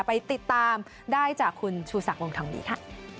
ไปติดตามได้จากคุณชูศักดิ์วงทองดีค่ะ